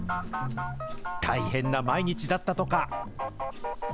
大変な毎日だったとか。